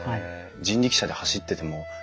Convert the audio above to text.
人力車で走っててもやっぱり。